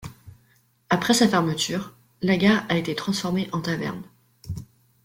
Après sa fermeture, la gare a été transformée en taverne.